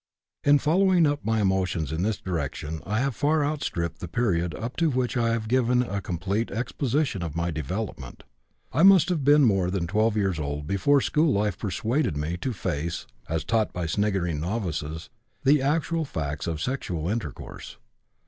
"In following up my emotions in this direction I have far outstripped the period up to which I have given a complete exposition of my development. I must have been more than 12 years old before school life persuaded me to face (as taught by sniggering novices) the actual facts of sexual intercourse.